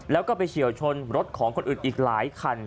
แล้วก็ไปเฉียวชนรถของคนอื่นอีกหลายคัน